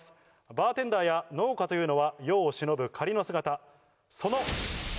バーテンダーや農家というのは世を忍ぶ仮の姿。